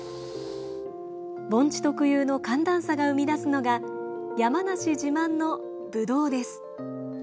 盆地特有の寒暖差が生み出すのが山梨自慢のぶどうです。